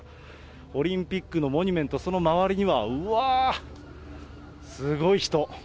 オリンピックのモニュメント、その周りには、うわー、すごい人。